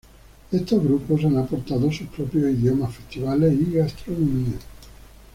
Estos grupos han aportado sus propios idiomas, festivales y gastronomía.